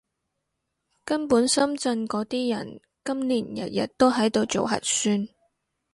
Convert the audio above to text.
根本深圳嗰啲人，今年日日都喺度做核酸